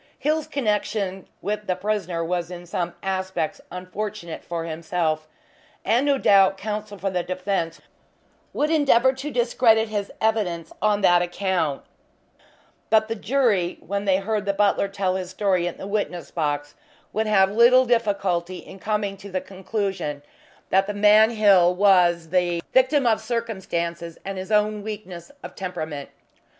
Hill's connection with the prisoner was in some aspects unfortunate, for himself, and no doubt counsel for the defense would endeavour to discredit his evidence on that account, but the jury, when they heard the butler tell his story in the witness box, would have little difficulty in coming to the conclusion that the man Hill was the victim of circumstances and his own weakness of temperament.